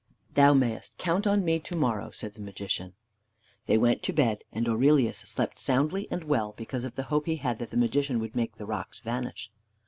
"Thou mayest count on me to morrow," said the Magician. They went to bed, and Aurelius slept soundly and well; because of the hope he had that the Magician would make the rocks vanish.